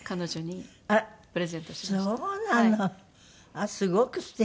あっすごく素敵。